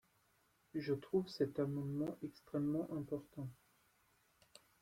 Je trouve cet amendement extrêmement important.